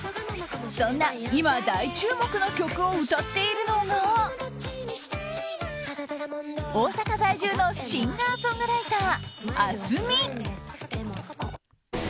そんな、今大注目の曲を歌っているのが大阪在住のシンガーソングライターａｓｍｉ。